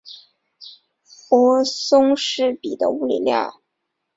泊松式比的物理量。